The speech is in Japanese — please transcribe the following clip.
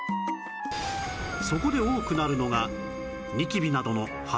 そこで多くなるのがニキビなどの肌トラブル